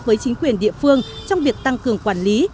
với chính quyền địa phương trong việc tăng cường quản lý